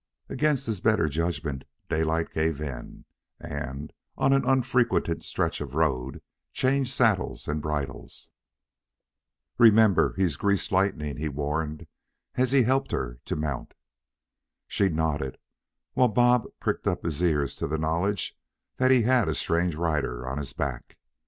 Against his better judgment, Daylight gave in, and, on an unfrequented stretch of road, changed saddles and bridles. "Remember, he's greased lightning," he warned, as he helped her to mount. She nodded, while Bob pricked up his ears to the knowledge that he had a strange rider on his back.